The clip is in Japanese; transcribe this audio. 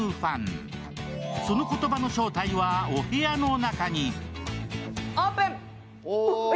その言葉の正体はお部屋の中に。